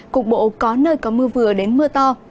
cục bộ có nơi có mưa vừa đến mưa to